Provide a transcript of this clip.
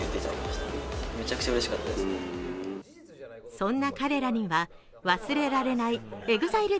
そんな彼らには、忘れられないＥＸＩＬＥ